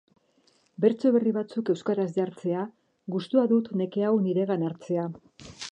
Bertso berri batzuk euskaraz jartzea, gustua dut neke hau niregan hartzea.